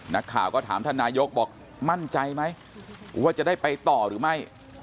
นักข่าวก็ถามท่านนายกบอกมั่นใจไหมว่าจะได้ไปต่อหรือไม่